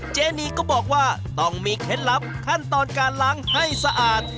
เจนีก็บอกว่าต้องมีเคล็ดลับขั้นตอนการล้างให้สะอาด